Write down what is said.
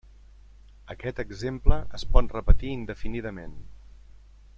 Aquest exemple es pot repetir indefinidament.